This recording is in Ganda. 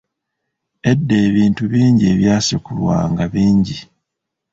Edda ebintu bingi ebyasekulwanga bingi.